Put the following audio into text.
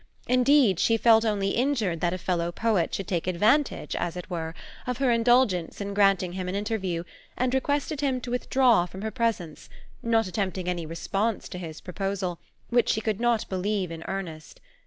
Indeed, she felt only injured that a fellow poet should take advantage, as it were, of her indulgence in granting him an interview, and requested him to withdraw from her presence, not attempting any response to his proposal, which she could not believe in earnest.